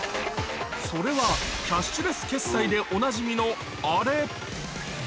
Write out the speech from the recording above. それはキャッシュレス決済でおなじみのあれ。